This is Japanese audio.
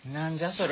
それ。